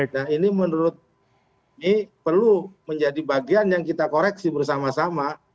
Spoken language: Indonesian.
nah ini menurut ini perlu menjadi bagian yang kita koreksi bersama sama